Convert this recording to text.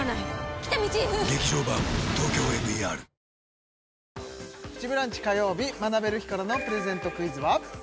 明星「中華三昧」「プチブランチ」火曜日学べる日からのプレゼントクイズは？